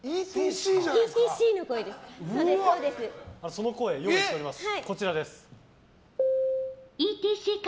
その声、用意しております。